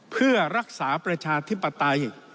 เพื่อรักษาประชาธิปไตย